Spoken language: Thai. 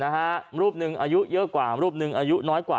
รูปหนึ่งอายุเยอะกว่ารูปหนึ่งอายุน้อยกว่า